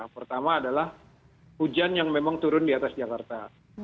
pertama adalah hujan yang memang turun di atas jakarta